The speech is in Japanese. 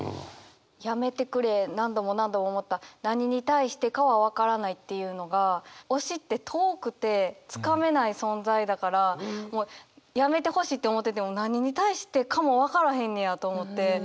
「やめてくれ、何度も、何度も思った、何に対してかはわからない」っていうのが推しって遠くてつかめない存在だからもうやめてほしいって思ってても何に対してかもわからへんねやと思って。